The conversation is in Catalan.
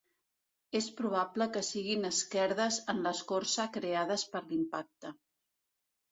És probable que siguin esquerdes en l'escorça creades per l'impacte.